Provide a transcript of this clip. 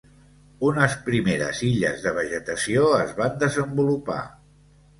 Unes primeres illes de vegetació es van desenvolupar.